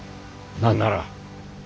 何なら。